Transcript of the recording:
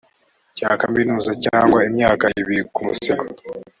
cya kaminuza cyangwa imyaka ibiri ku musego